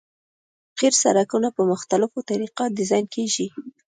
قیر سرکونه په مختلفو طریقو ډیزاین کیږي